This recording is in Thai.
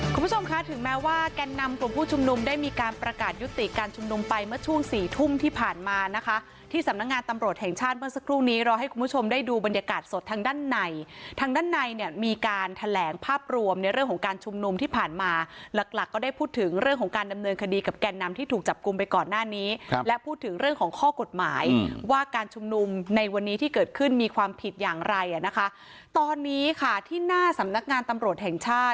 คุณผู้ชมคะถึงแม้ว่าแก่นนำกลุ่มผู้ชมนุมได้มีการประกาศยุติการชมนุมไปเมื่อช่วงสี่ทุ่มที่ผ่านมานะคะที่สำนักงานตำรวจแห่งชาติเมื่อสักครู่นี้รอให้คุณผู้ชมได้ดูบรรยากาศสดทางด้านในทางด้านในเนี้ยมีการแถลงภาพรวมในเรื่องของการชมนุมที่ผ่านมาหลักหลักก็ได้พูดถึงเรื่องของการดำเ